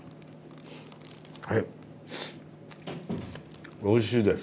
はいおいしいです。